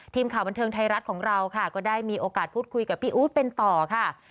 ทีมข่าวบันเทิงไทยรัฐของเราค่ะก็ได้มีโอกาสพูดคุยกับพี่อู๊ดเป็นต่อค่ะ